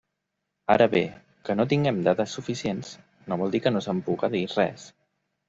Ara bé, que no tinguem dades suficients no vol dir que no se'n puga dir res.